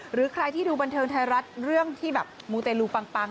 หรือใครที่ดูบันเทิงไทยรัฐเรื่องที่แบบมูเตลูปัง